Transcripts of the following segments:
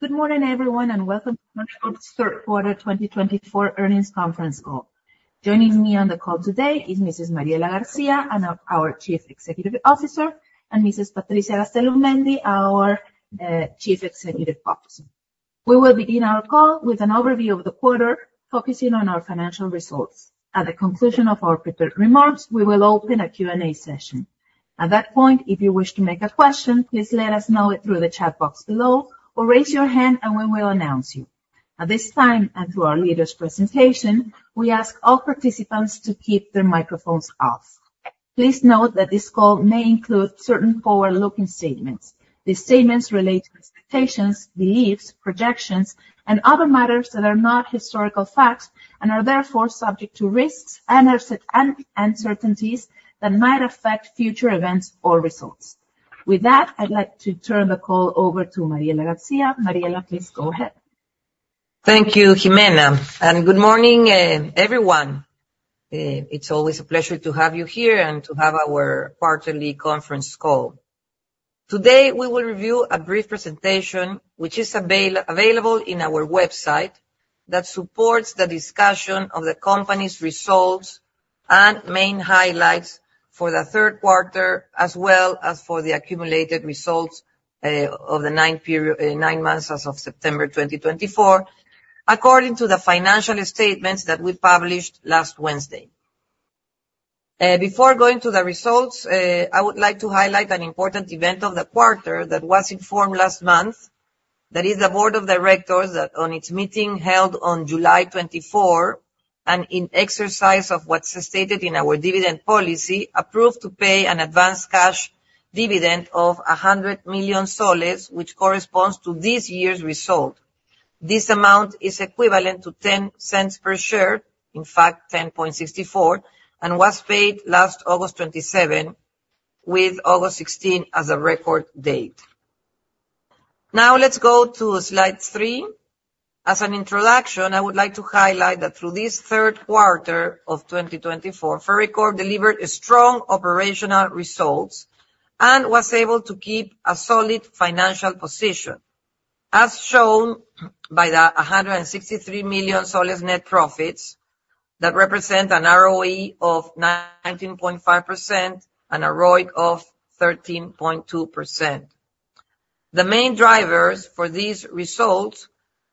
Good morning, everyone, and welcome to Ferreycorp's Q3 2024 Earnings Conference Call. Joining me on the call today is Mrs. Mariela García, our Chief Executive Officer, and Mrs. Patricia Gastelumendi, our Chief Financial Officer. We will begin our call with an overview of the quarter, focusing on our financial results. At the conclusion of our prepared remarks, we will open a Q&A session. At that point, if you wish to make a question, please let us know it through the chat box below, or raise your hand and we will announce you. At this time, and through our leaders' presentation, we ask all participants to keep their microphones off. Please note that this call may include certain forward-looking statements. These statements relate to expectations, beliefs, projections, and other matters that are not historical facts, and are therefore subject to risks and uncertainties that might affect future events or results. With that, I'd like to turn the call over to Mariela García. Mariela, please go ahead. Thank you, Jimena, and good morning, everyone. It's always a pleasure to have you here and to have our quarterly conference call. Today, we will review a brief presentation, which is available in our website, that supports the discussion of the company's results and main highlights for the Q3, as well as for the accumulated results of the nine months as of September 2024, according to the financial statements that we published last Wednesday. Before going to the results, I would like to highlight an important event of the quarter that was informed last month. That is, the board of directors, on its meeting held on July 2024, and in exercise of what's stated in our dividend policy, approved to pay an advanced cash dividend of PEN 100 million, which corresponds to this year's result. This amount is equivalent to PEN 0.10 per share, in fact, PEN 0.1064, and was paid last August 27, with August 16 as the record date. Now, let's go to slide 3. As an introduction, I would like to highlight that through this Q3 of 2024, Ferreycorp delivered strong operational results, and was able to keep a solid financial position, as shown by the PEN 163 million soles net profits, that represent an ROE of 19.5% and a ROIC of 13.2%. The main drivers for these results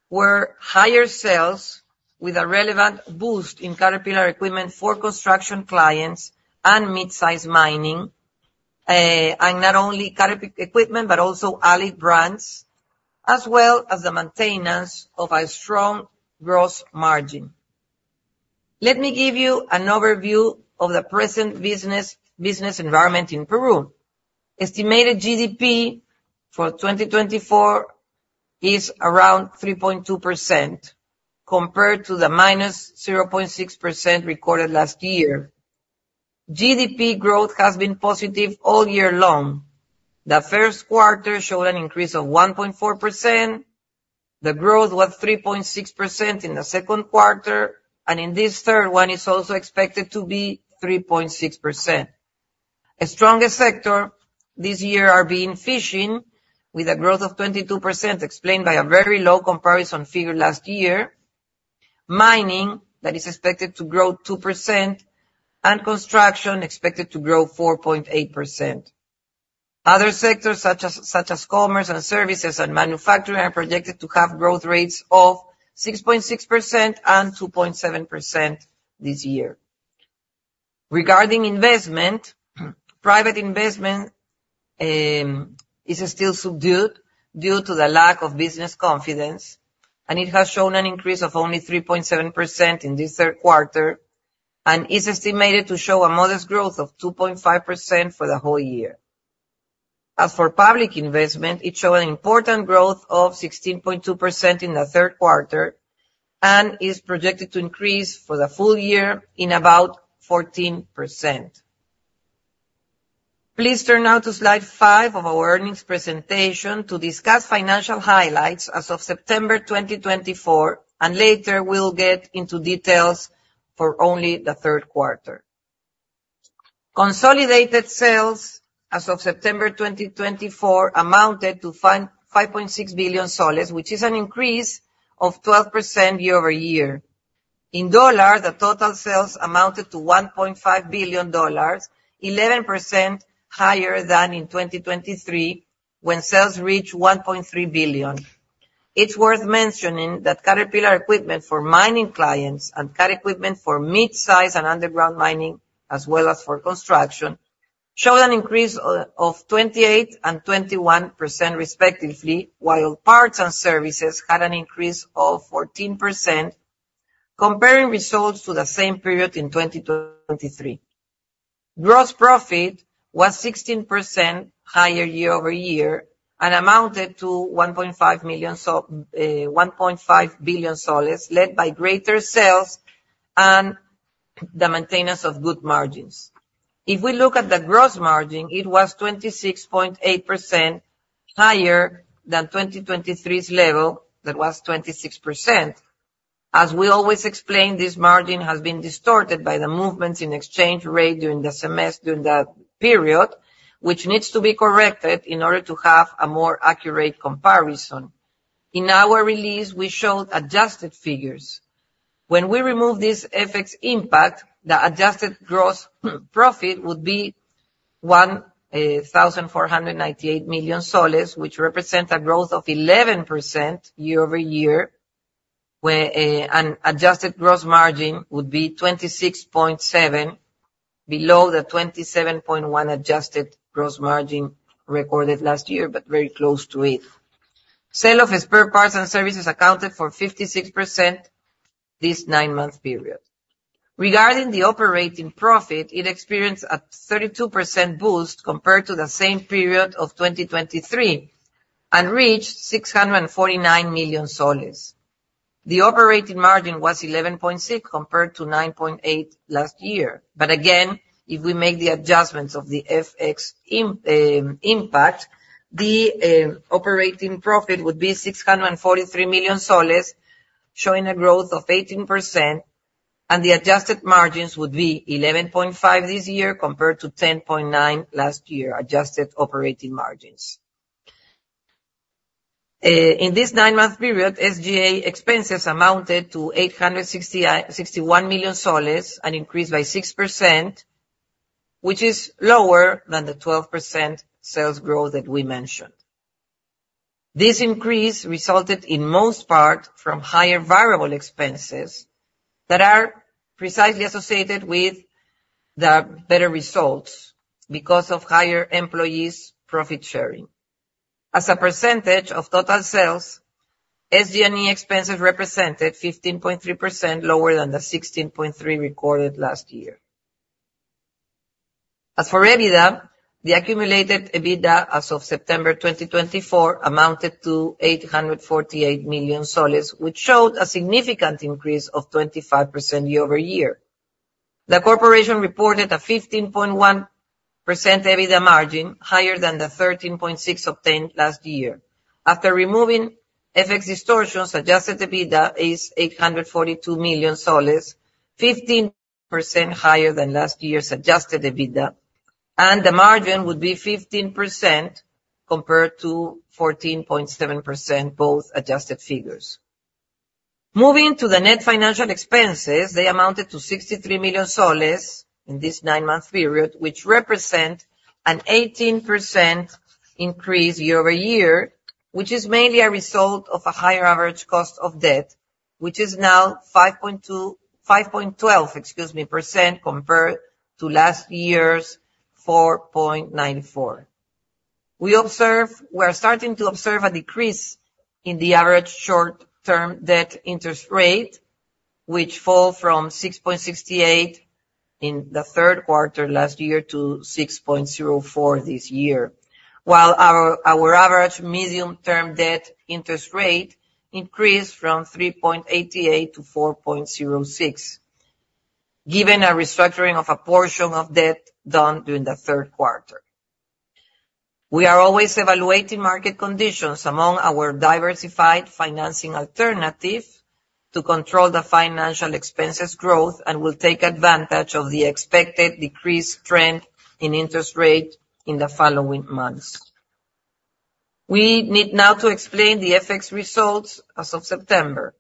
were higher sales, with a relevant boost in Caterpillar equipment for construction clients and mid-sized mining. And not only Caterpillar equipment, but also other brands, as well as the maintenance of a strong gross margin. Let me give you an overview of the present business, business environment in Peru. Estimated GDP for 2024 is around 3.2%, compared to the -0.6% recorded last year. GDP growth has been positive all year long. The Q1 showed an increase of 1.4%, the growth was 3.6% in the Q2, and in this third one, it's also expected to be 3.6%. A stronger sector this year are being fishing, with a growth of 22%, explained by a very low comparison figure last year. Mining, that is expected to grow 2%, and construction, expected to grow 4.8%. Other sectors, such as commerce and services and manufacturing, are projected to have growth rates of 6.6% and 2.7% this year. Regarding investment, private investment, is still subdued due to the lack of business confidence, and it has shown an increase of only 3.7% in this Q3, and is estimated to show a modest growth of 2.5% for the whole year. As for public investment, it showed an important growth of 16.2% in the Q3, and is projected to increase for the full year in about 14%. Please turn now to slide five of our earnings presentation to discuss financial highlights as of September 2024, and later, we'll get into details for only the Q3. Consolidated sales as of September 2024 amounted to PEN 5.6 billion, which is an increase of 12% year-over-year. In dollars, the total sales amounted to $1.5 billion, 11% higher than in 2023, when sales reached $1.3 billion. It's worth mentioning that Caterpillar equipment for mining clients and Cat equipment for mid-size and underground mining, as well as for construction, showed an increase of 28% and 21% respectively, while parts and services had an increase of 14%, comparing results to the same period in 2023. Gross profit was 16% higher year-over-year, and amounted to PEN 1.5 billion, led by greater sales and the maintenance of good margins. If we look at the gross margin, it was 26.8% higher than 2023's level, that was 26%. As we always explain, this margin has been distorted by the movements in exchange rate during the semester, during that period, which needs to be corrected in order to have a more accurate comparison. In our release, we showed adjusted figures. When we remove this FX impact, the adjusted gross profit would be PEN 1,498 million, which represent a growth of 11% year-over-year, where an adjusted gross margin would be 26.7, below the 27.1 adjusted gross margin recorded last year, but very close to it. Sale of spare parts and services accounted for 56% this nine-month period. Regarding the operating profit, it experienced a 32% boost compared to the same period of 2023, and reached PEN 649 million. The operating margin was 11.6, compared to 9.8 last year. But again, if we make the adjustments of the FX impact, operating profit would be PEN 643 million, showing a growth of 18%, and the adjusted margins would be 11.5 this year, compared to 10.9 last year, adjusted operating margins. In this nine-month period, SG&A expenses amounted to PEN 861 million, an increase by 6%, which is lower than the 12% sales growth that we mentioned. This increase resulted, in most part, from higher variable expenses, that are precisely associated with the better results because of higher employees' profit sharing. As a percentage of total sales, SG&E expenses represented 15.3%, lower than the 16.3 recorded last year. As for EBITDA, the accumulated EBITDA as of September 2024 amounted to PEN 848 million, which showed a significant increase of 25% year-over-year. The corporation reported a 15.1% EBITDA margin, higher than the 13.6% obtained last year. After removing FX distortions, Adjusted EBITDA is PEN 842 million, 15% higher than last year's Adjusted EBITDA, and the margin would be 15% compared to 14.7%, both adjusted figures. Moving to the net financial expenses, they amounted to PEN 63 million in this nine-month period, which represent an 18% increase year-over-year, which is mainly a result of a higher average cost of debt, which is now 5.2--5.12, excuse me, percent, compared to last year's 4.94. We observe... We are starting to observe a decrease in the average short-term debt interest rate, which fell from 6.68% in the Q3 last year to 6.04% this year. While our average medium-term debt interest rate increased from 3.88% to 4.06%, given a restructuring of a portion of debt done during the Q3. We are always evaluating market conditions among our diversified financing alternative, to control the financial expenses growth, and will take advantage of the expected decreased trend in interest rate in the following months. We need now to explain the FX results as of September.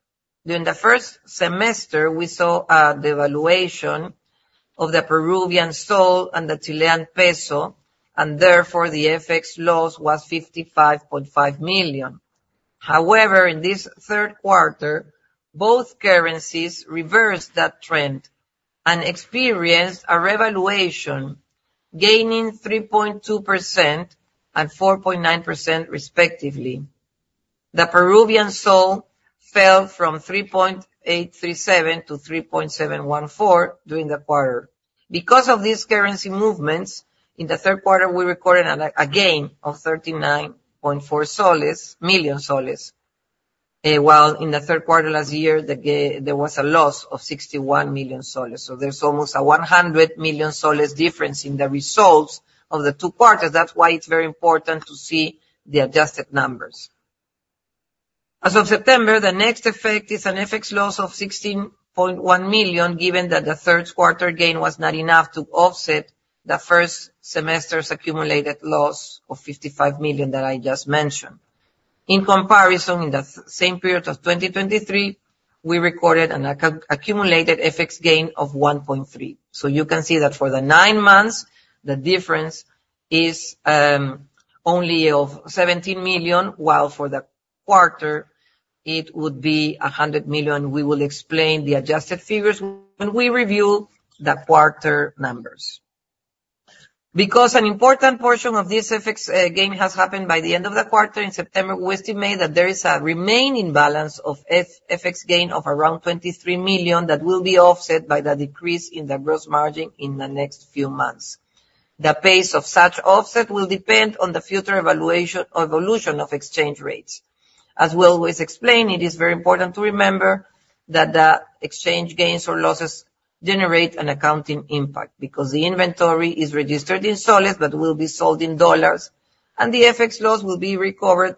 During the first semester, we saw the appreciation of the Peruvian sol and the Chilean peso, and therefore, the FX loss was PEN 55.5 million. However, in this Q3, both currencies reversed that trend and experienced a revaluation, gaining 3.2% and 4.9%, respectively. The Peruvian sol fell from 3.837 to 3.714 during the quarter. Because of these currency movements, in the Q3, we recorded a gain of PEN 39.4 million. While in the Q3 last year, there was a loss of PEN 61 million. So there's almost a PEN 100 million difference in the results of the two quarters. That's why it's very important to see the adjusted numbers. As of September, the net effect is an FX loss of PEN 16.1 million, given that the Q3 gain was not enough to offset the first semester's accumulated loss of PEN 55 million that I just mentioned. In comparison, in the same period of 2023, we recorded an accumulated FX gain of PEN 1.3 million. So you can see that for the nine months, the difference is only of PEN 17 million, while for the quarter, it would be PEN 100 million. We will explain the adjusted figures when we review the quarter numbers. Because an important portion of this FX gain has happened by the end of the quarter in September, we estimate that there is a remaining balance of FX gain of around PEN 23 million, that will be offset by the decrease in the gross margin in the next few months. The pace of such offset will depend on the future evaluation or evolution of exchange rates. As we always explain, it is very important to remember that the exchange gains or losses generate an accounting impact, because the inventory is registered in soles, but will be sold in dollars, and the FX loss will be recovered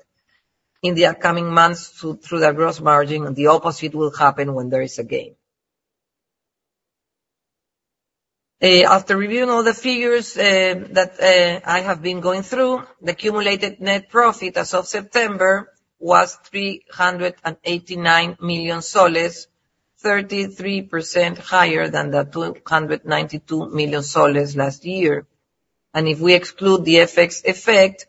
in the upcoming months through the gross margin, and the opposite will happen when there is a gain. After reviewing all the figures I have been going through, the accumulated net profit as of September was PEN 389 million, 33% higher than the PEN 292 million last year. If we exclude the FX effect,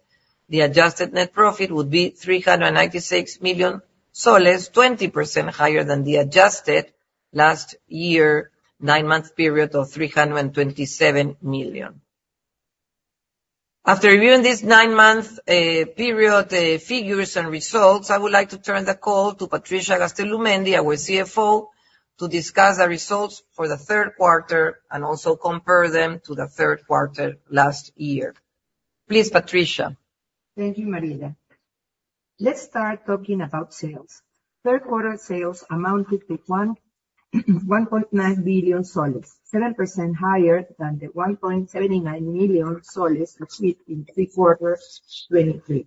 the adjusted net profit would be PEN 396 million, 20% higher than the adjusted last year nine-month period of PEN 327 million. After reviewing this nine-month period, figures and results, I would like to turn the call to Patricia Gastelumendi, our CFO, to discuss the results for the Q3 and also compare them to the Q3 last year. Please, Patricia. Thank you, Maria. Let's start talking about sales. Q3 sales amounted to PEN 1.9 billion, 7% higher than the PEN 179 million soles achieved in Q3 2023.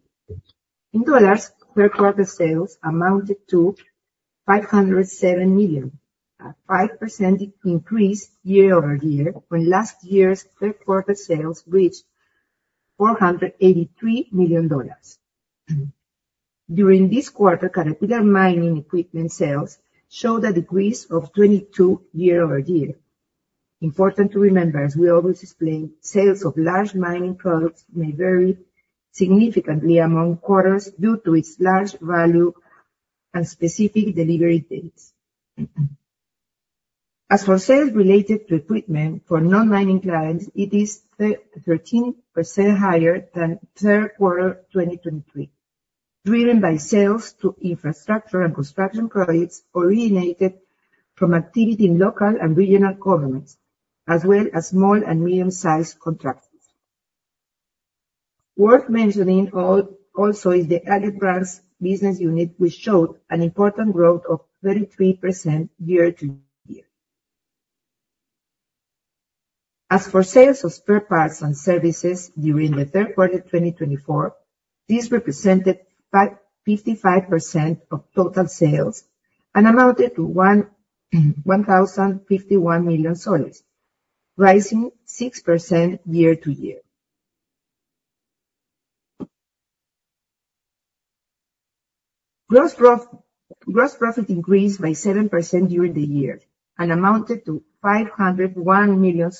In dollars, Q3 sales amounted to $507 million, a 5% increase year-over-year, when last year's Q3 sales reached $483 million. During this quarter, Caterpillar mining equipment sales showed a decrease of 22% year-over-year. Important to remember, as we always explain, sales of large mining products may vary significantly among quarters due to its large value and specific delivery dates. As for sales related to equipment for non-mining clients, it is 13% higher than Q3 2023, driven by sales to infrastructure and construction projects originated from activity in local and regional governments, as well as small and medium-sized contractors. Worth mentioning also is the other brands business unit, which showed an important growth of 33% year-over-year. As for sales of spare parts and services during the Q3 2024, these represented 55% of total sales and amounted to PEN 1,051 million, rising 6% year-over-year. Gross profit increased by 7% during the year and amounted to PEN 501 million.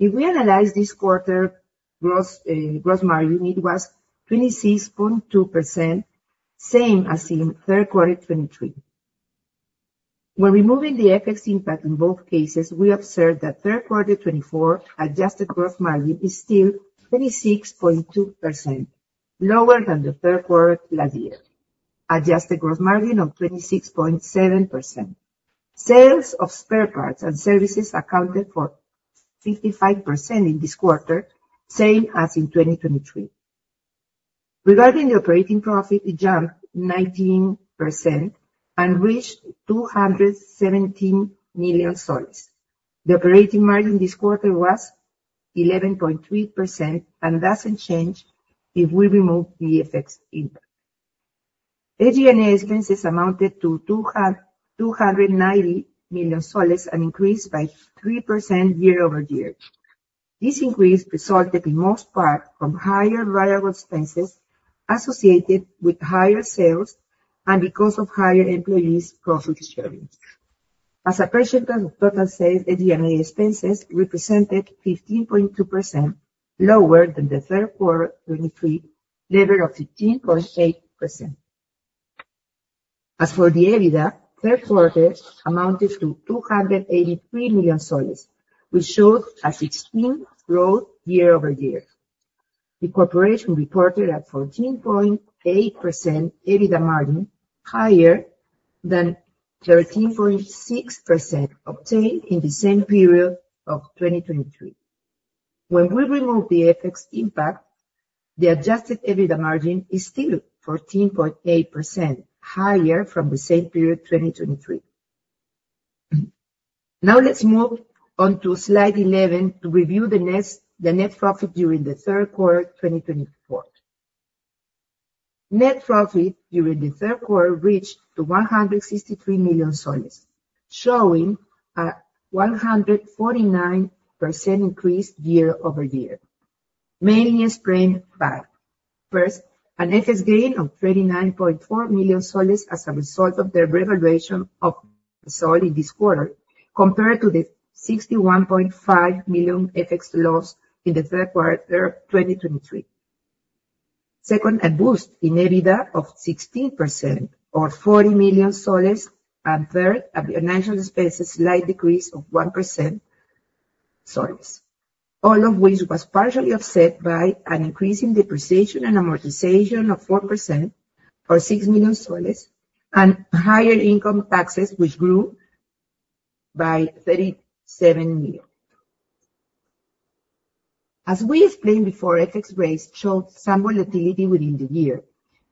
If we analyze this quarter gross, gross margin, it was 26.2%, same as in Q3 2023. When removing the FX impact in both cases, we observed that Q3 2024 adjusted gross margin is still 26.2%, lower than the Q3 last year, adjusted gross margin of 26.7%. Sales of spare parts and services accounted for 55% in this quarter, same as in 2023. Regarding the operating profit, it jumped 19% and reached PEN 217 million. The operating margin this quarter was 11.3%, and doesn't change if we remove the FX impact. AG&A expenses amounted to PEN 290 million, an increase by 3% year-over-year. This increase resulted in most part from higher variable expenses associated with higher sales and because of higher employees' profit sharing. As a percentage of total sales, AG&A expenses represented 15.2%, lower than the Q3 2023 level of 15.8%. As for the EBITDA, Q3 amounted to PEN 283 million, which showed a 16% growth year-over-year. The corporation reported a 14.8% EBITDA margin, higher than 13.6% obtained in the same period of 2023. When we remove the FX impact, the Adjusted EBITDA margin is still 14.8%, higher from the same period, 2023. Now, let's move on to slide 11 to review the next, the net profit during the Q3 2024. Net profit during the Q3 reached to PEN 163 million, showing a 149% increase year over year, mainly explained by, first, an FX gain of PEN 39.4 million as a result of the revaluation of the sol in this quarter, compared to the PEN 61.5 million FX loss in the Q3 of 2023. Second, a boost in EBITDA of 16% or PEN 40 million, and third, at the financial expenses, slight decrease of 1% soles. All of which was partially offset by an increase in depreciation and amortization of 4% or PEN 6 million, and higher income taxes, which grew by PEN 37 million. As we explained before, FX rates showed some volatility within the year.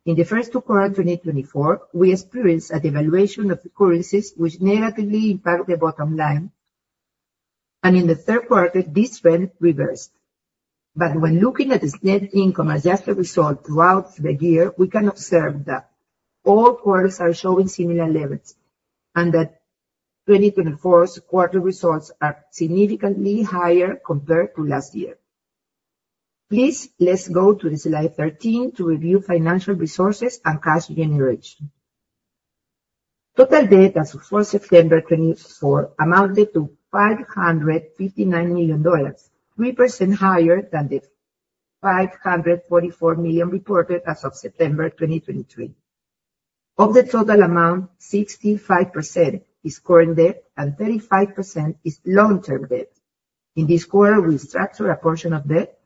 In the first two quarters of 2024, we experienced a devaluation of the currencies, which negatively impacted the bottom line … and in the Q3, this trend reversed. But when looking at the net income adjusted result throughout the year, we can observe that all quarters are showing similar levels, and that 2024's quarter results are significantly higher compared to last year. Please, let's go to the slide 13 to review financial resources and cash generation. Total debt as of 4 September 2024 amounted to $559 million, 3% higher than the $544 million reported as of September 2023. Of the total amount, 65% is current debt and 35% is long-term debt. In this quarter, we structured a portion of debt,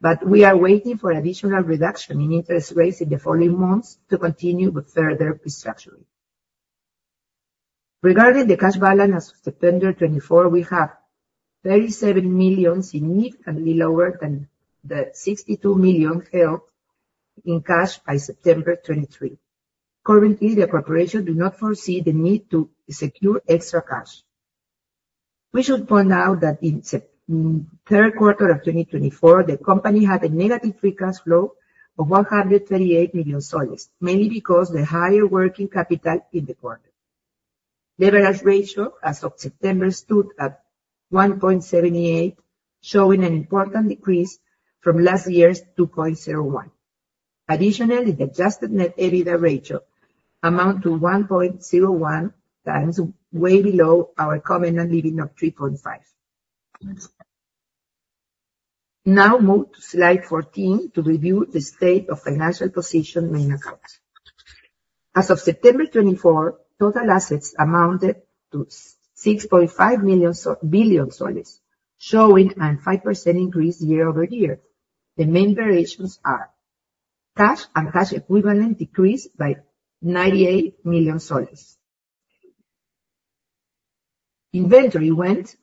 but we are waiting for additional reduction in interest rates in the following months to continue with further restructuring. Regarding the cash balance as of September 2024, we have $37 million, significantly lower than the $62 million held in cash by September 2023. Currently, the corporation do not foresee the need to secure extra cash. We should point out that in September, Q3 of 2024, the company had a negative free cash flow of PEN 138 million, mainly because the higher working capital in the quarter. Leverage ratio as of September stood at 1.78, showing an important decrease from last year's 2.01. Additionally, the adjusted net EBITDA ratio amount to 1.01 times, way below our common and leading of 3.5. Now move to slide 14 to review the state of financial position main accounts. As of September 2024, total assets amounted to PEN 6.5 billion, showing a 5% increase year-over-year. The main variations are: cash and cash equivalent decreased by PEN 98 million. Inventory went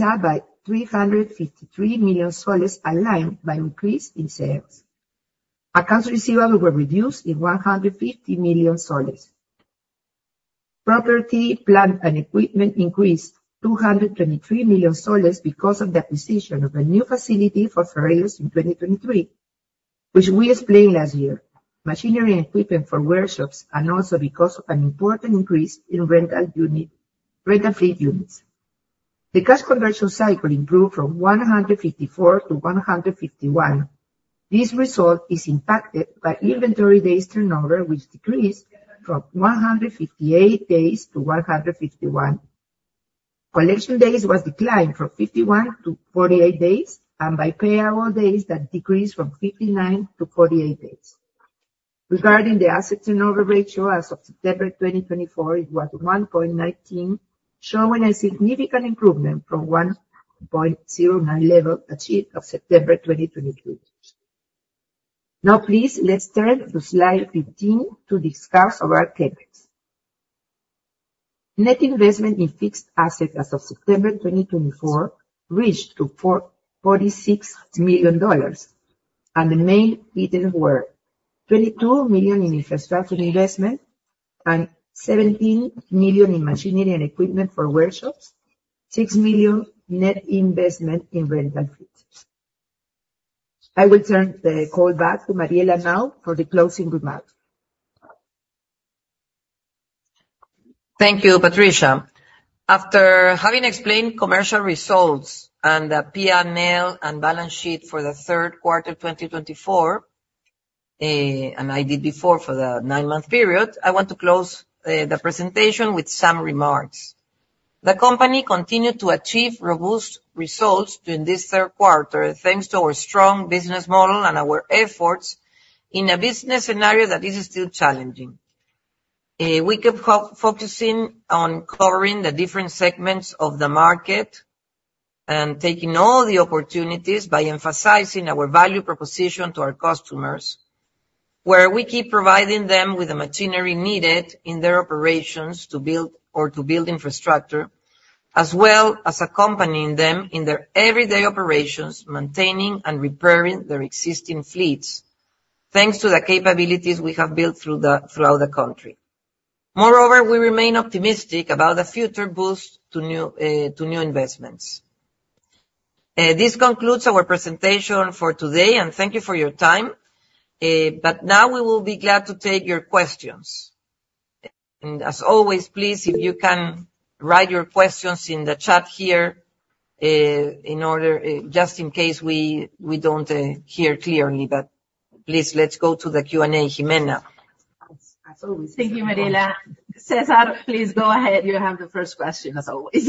up by PEN 353 million, aligned by increase in sales. Accounts receivable were reduced in PEN 150 million. Property, plant, and equipment increased PEN 223 million because of the acquisition of a new facility for Ferreyros in 2023, which we explained last year. Machinery and equipment for workshops, and also because of an important increase in rental unit, rental fleet units. The cash conversion cycle improved from 154 to 151. This result is impacted by inventory days turnover, which decreased from 158 days to 151. Collection days was declined from 51 to 48 days, and by payable days, that decreased from 59 to 48 days. Regarding the asset turnover ratio as of September 2024, it was 1.19, showing a significant improvement from 1.09 level achieved of September 2023. Now, please, let's turn to slide 15 to discuss our CapEx. Net investment in fixed asset as of September 2024 reached to $446 million, and the main items were $22 million in infrastructure investment, and $17 million in machinery and equipment for workshops, $6 million net investment in rental fleets. I will turn the call back to Mariela now for the closing remarks. Thank you, Patricia. After having explained commercial results and the PNL and balance sheet for the Q3 2024, and I did before for the nine-month period, I want to close the presentation with some remarks. The company continued to achieve robust results during this Q3, thanks to our strong business model and our efforts in a business scenario that is still challenging. We kept focusing on covering the different segments of the market and taking all the opportunities by emphasizing our value proposition to our customers, where we keep providing them with the machinery needed in their operations to build or to build infrastructure, as well as accompanying them in their everyday operations, maintaining and repairing their existing fleets, thanks to the capabilities we have built throughout the country. Moreover, we remain optimistic about the future boost to new investments. This concludes our presentation for today, and thank you for your time. But now we will be glad to take your questions. As always, please, if you can write your questions in the chat here, in order, just in case we don't hear clearly. But please, let's go to the Q&A, Jimena. As, as always. Thank you, Mariela. César, please go ahead. You have the first question, as always.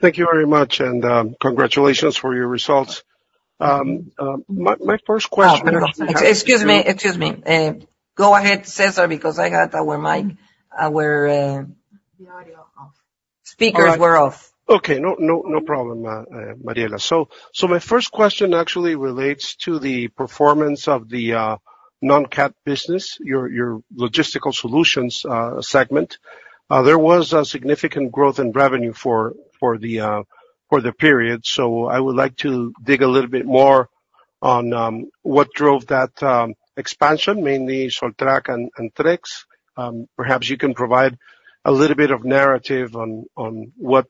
Thank you very much, and, congratulations for your results. My first question- No, excuse me, excuse me. Go ahead, César, because I had our mic, our— The audio off. Speakers were off. Okay. No, no, no problem, Mariela. So my first question actually relates to the performance of the non-Cat business, your logistical solutions segment. There was a significant growth in revenue for the period, so I would like to dig a little bit more on what drove that expansion, mainly Soltrak and Trex. Perhaps you can provide a little bit of narrative on what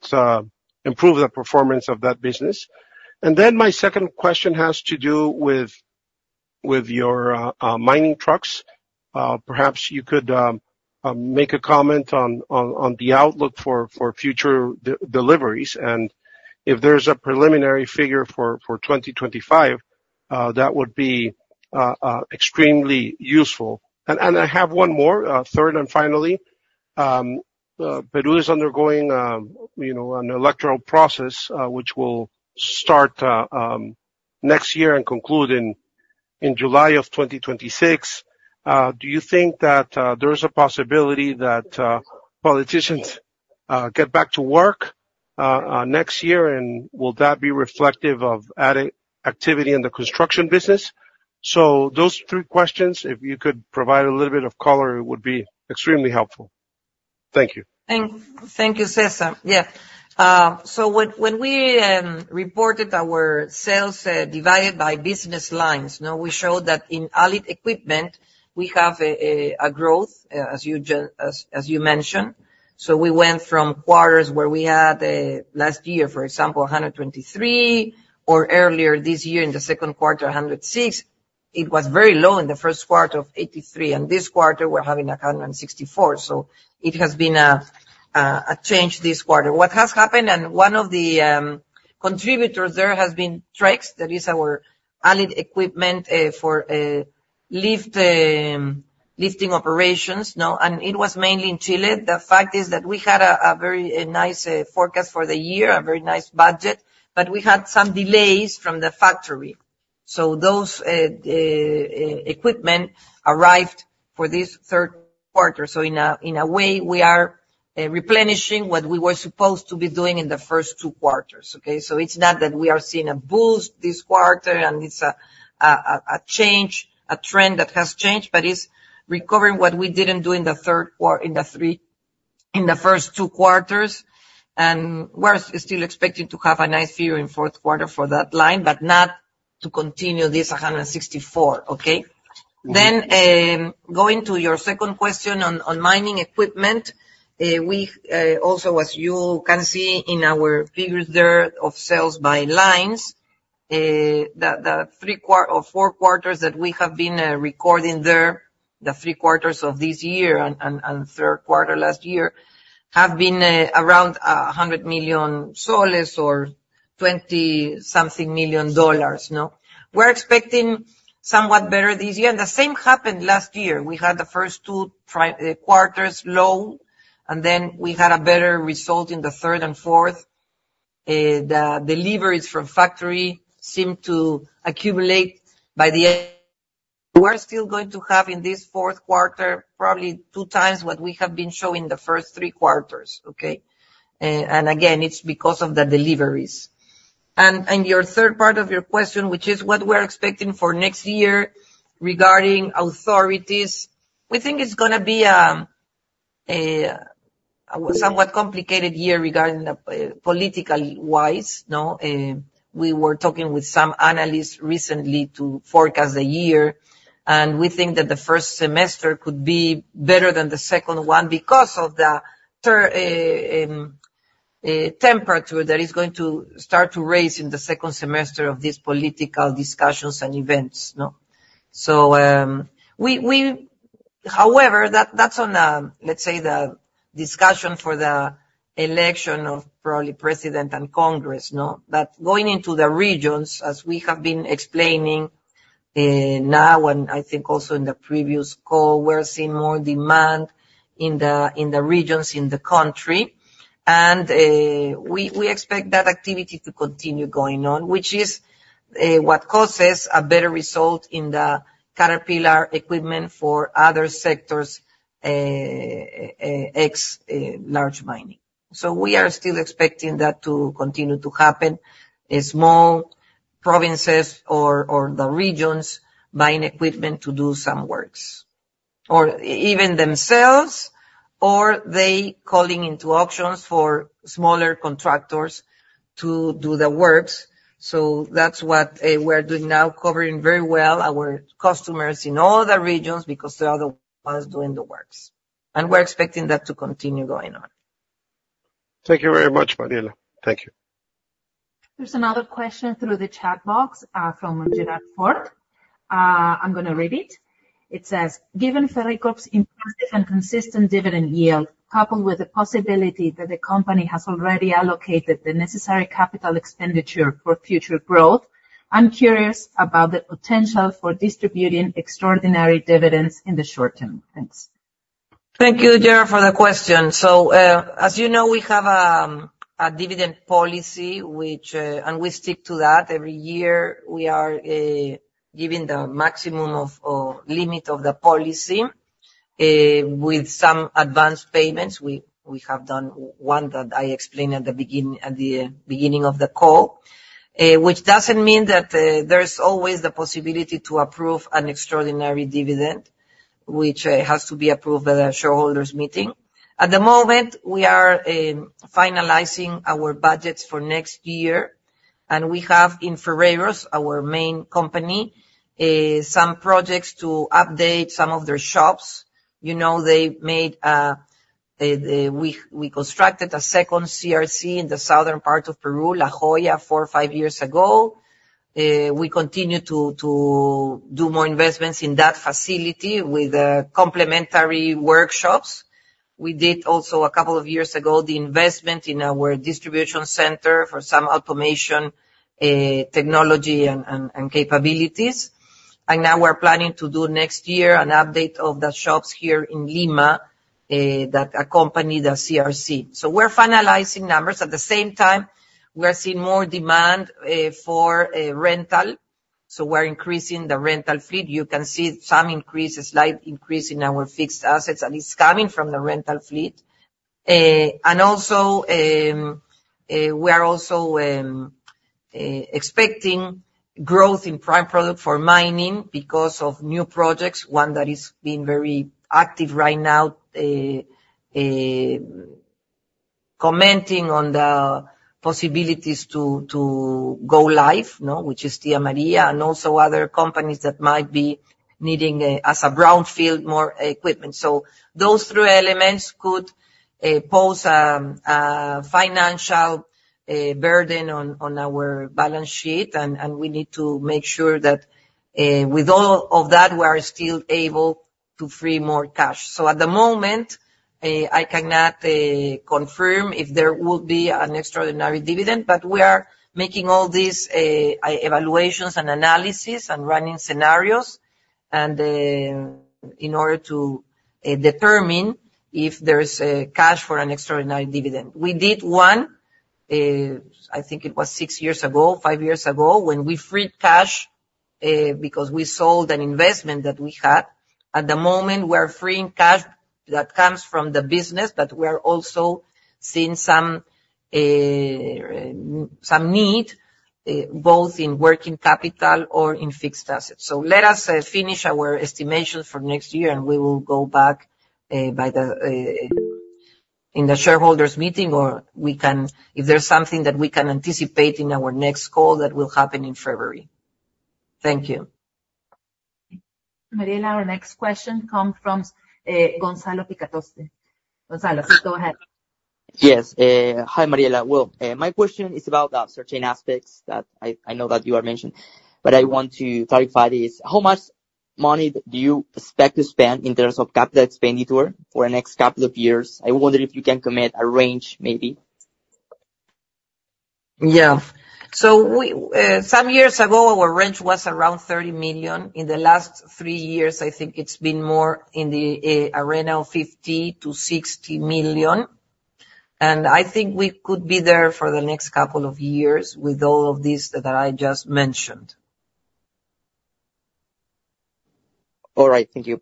improved the performance of that business. And then my second question has to do with your mining trucks. Perhaps you could make a comment on the outlook for future deliveries, and if there's a preliminary figure for 2025, that would be extremely useful. And I have one more. Third, and finally, Peru is undergoing, you know, an electoral process, which will start next year and conclude in July of 2026. Do you think that there is a possibility that politicians get back to work next year, and will that be reflective of adding activity in the construction business? So those three questions, if you could provide a little bit of color, it would be extremely helpful. Thank you. Thank you, César. Yeah. So when we reported our sales divided by business lines, now we showed that in allied equipment, we have a growth, as you just mentioned. So we went from quarters where we had last year, for example, PEN 123, or earlier this year, in the Q2, PEN 106. It was very low in the Q1 of PEN 83, and this quarter, we're having PEN 164. So it has been a change this quarter. What has happened, and one of the contributors there, has been Trex, that is our allied equipment for lifting operations, no? And it was mainly in Chile. The fact is that we had a very nice forecast for the year, a very nice budget, but we had some delays from the factory. So those equipment arrived for this Q3. So in a way, we are replenishing what we were supposed to be doing in the first two quarters, okay? So it's not that we are seeing a boost this quarter, and it's a change, a trend that has changed, but it's recovering what we didn't do in the first two quarters. And we're still expecting to have a nice year in Q4 for that line, but not to continue this 164, okay? Going to your second question on mining equipment, we also, as you can see in our figures there of sales by lines, the 3 or 4 quarters that we have been recording there, the 3 quarters of this year and Q3 last year, have been around PEN 100 million or $20-something million, no? We're expecting somewhat better this year, and the same happened last year. We had the first 2 quarters low, and then we had a better result in the third and fourth. The deliveries from factory seemed to accumulate by the end. We're still going to have, in this Q4, probably 2 times what we have been showing the first 3 quarters, okay? And again, it's because of the deliveries. Your third part of your question, which is what we're expecting for next year regarding authorities, we think it's gonna be a somewhat complicated year regarding the politically wise, no? We were talking with some analysts recently to forecast the year, and we think that the first semester could be better than the second one because of the temperature that is going to start to raise in the second semester of these political discussions and events, no? However, that's on, let's say, the discussion for the election of probably president and Congress, no? But going into the regions, as we have been explaining, now and I think also in the previous call, we're seeing more demand in the regions in the country. We expect that activity to continue going on, which is what causes a better result in the Caterpillar equipment for other sectors, ex-large mining. So we are still expecting that to continue to happen, small provinces or the regions buying equipment to do some works, or even themselves, or they calling into auctions for smaller contractors to do the works. So that's what we're doing now, covering very well our customers in all the regions, because they are the ones doing the works. And we're expecting that to continue going on. Thank you very much, Mariela. Thank you. There's another question through the chat box, from Gerard Ford. I'm gonna read it. It says, "Given Ferreycorp's impressive and consistent dividend yield, coupled with the possibility that the company has already allocated the necessary capital expenditure for future growth, I'm curious about the potential for distributing extraordinary dividends in the short term. Thanks. Thank you, Gerard, for the question. So, as you know, we have a dividend policy, which... And we stick to that. Every year, we are giving the maximum of, or limit of the policy, with some advanced payments. We have done one that I explained at the beginning of the call, which doesn't mean that there's always the possibility to approve an extraordinary dividend, which has to be approved at a shareholders' meeting. At the moment, we are finalizing our budgets for next year. We have in Ferreyros, our main company, some projects to update some of their shops. You know, we constructed a second CRC in the southern part of Peru, La Joya, four or five years ago. We continue to do more investments in that facility with complementary workshops. We did also, a couple of years ago, the investment in our distribution center for some automation technology and capabilities. And now we're planning to do next year an update of the shops here in Lima that accompany the CRC. So we're finalizing numbers. At the same time, we are seeing more demand for rental, so we're increasing the rental fleet. You can see some increase, a slight increase in our fixed assets, and it's coming from the rental fleet. And also, we are expecting growth in prime product for mining because of new projects, one that is being very active right now, commenting on the possibilities to go live, no? Which is Tía María, and also other companies that might be needing, as a brownfield, more equipment. So those three elements could pose a financial burden on our balance sheet, and we need to make sure that, with all of that, we are still able to free more cash. So at the moment, I cannot confirm if there will be an extraordinary dividend, but we are making all these evaluations and analysis and running scenarios, and in order to determine if there is cash for an extraordinary dividend. We did one, I think it was six years ago, five years ago, when we freed cash because we sold an investment that we had. At the moment, we're freeing cash that comes from the business, but we are also seeing some some need both in working capital or in fixed assets. So let us finish our estimations for next year, and we will go back by the in the shareholders' meeting, or we can if there's something that we can anticipate in our next call, that will happen in February. Thank you. Mariela, our next question come from Gonzalo Picatoste. Gonzalo, go ahead. Yes. Hi, Mariela. Well, my question is about the certain aspects that I, I know that you have mentioned, but I want to clarify this. How much money do you expect to spend in terms of capital expenditure for the next couple of years? I wonder if you can commit a range, maybe. Yeah. So we, some years ago, our range was around PEN 30 million. In the last three years, I think it's been more in the, around PEN 50-60 million, and I think we could be there for the next couple of years with all of this that I just mentioned. All right. Thank you.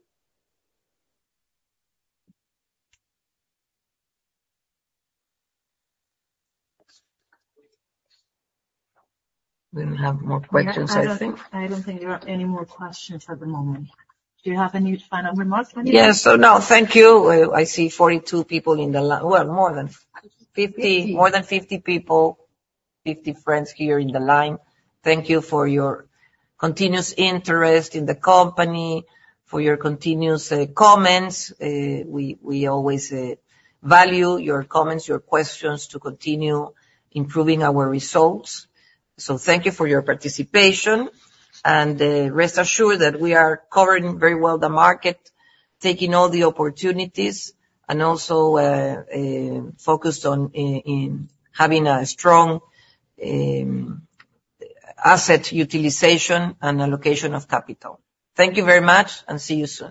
We don't have more questions, I think. I don't think there are any more questions at the moment. Do you have any final remarks, Mariela? Yes. So now, thank you. I see 42 people. Well, more than 50- Fifty... More than 50 people, 50 friends here in the line. Thank you for your continuous interest in the company, for your continuous comments. We always value your comments, your questions, to continue improving our results. So thank you for your participation, and rest assured that we are covering very well the market, taking all the opportunities, and also focused on in having a strong asset utilization and allocation of capital. Thank you very much, and see you soon.